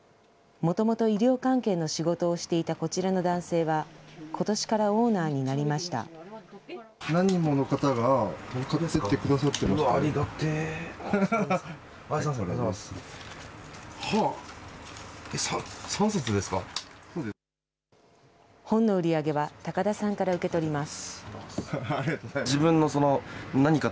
もともと医療関係の仕事をしていたこちらの男性は、ことしからオ本の売り上げは高田さんから受け取ります。